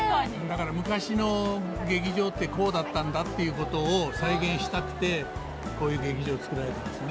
だから昔の劇場ってこうだったんだっていうことを再現したくてこういう劇場作られたんですね。